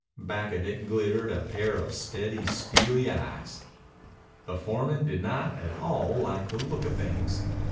Back of it glittered a pair of steady, steely eyes. The foreman did not at all like the look of things.